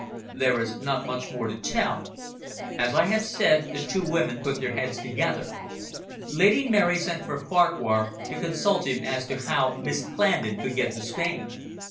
"There is not much more to tell. As I have said, the two women put their heads together. Lady Mary sent for Farquhar to consult him as to how Miss Clandon could get to Spain.